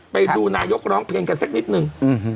ไปดูนายกร้องเพลงกันสักนิดนึง